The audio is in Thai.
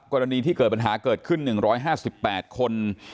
กรณีที่เกิดปัญหาเกิดขึ้น๑๕๘คน